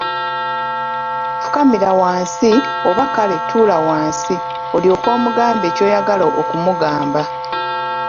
Fukamira wansi oba kale tuula wansi olyoke omugambe ky'oyagala okumugamba.